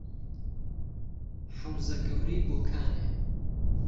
حهوزه گهورهی بۆکانێ